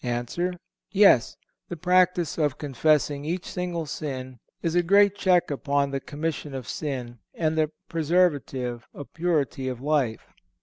A. Yes; the practice of confessing each single sin is a great check upon the commission of sin and a preservative of purity of life.